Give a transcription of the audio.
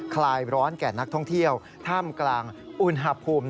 คลายร้อนแก่นักท่องเที่ยวท่ามกลางอุณหภูมิ